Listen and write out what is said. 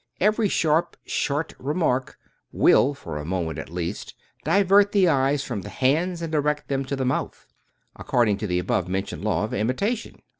... Every sharp, short remark will, for a moment, at least, divert the eyes from the hands and direct them to the mouth, according to the above mentioned law of imitation."